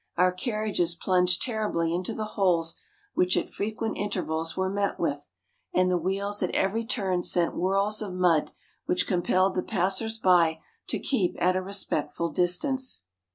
Our carriages plunged terribly into the holes which at frequent intervals were met with, and the wheels at every turn sent whirls of mud, which compelled the passers by to keep at a respectful distance."